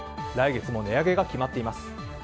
来月も値上げが決まっています。